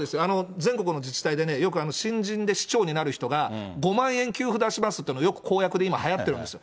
全国の自治体でね、よく新人で市長になる人が５万円給付出しますっていうの、よく公約で今、はやってるんですよ。